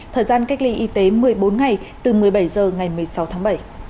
thời gian cách ly y tế một mươi bốn ngày từ một mươi bảy h ngày một mươi sáu tháng bảy